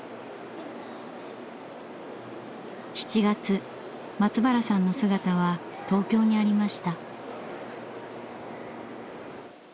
７月松原さんの姿は東京にありました。